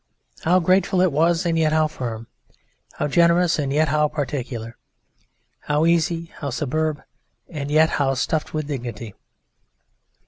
How graceful it was and yet how firm! How generous and yet how particular! How easy, how superb, and yet how stuffed with dignity!